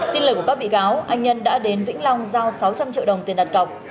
tin lời của các bị cáo anh nhân đã đến vĩnh long giao sáu trăm linh triệu đồng tiền đặt cọc